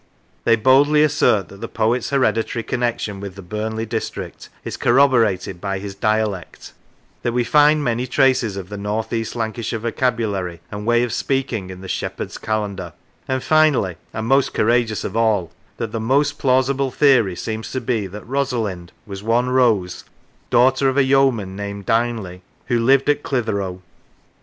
They boldly assert that the poet's hereditary connection with the Burnley district is corroborated by his dialect; that we find many traces of the north east Lancashire vocabulary and way of speaking in the " Shepheard's Calendar "; and finally, and most courageous of all, that " the most plausible theory seems to be that Rosalind was one Rose, daughter of a yeoman named Dyneley, who 120 The Rivers lived at Clitheroe." Mr.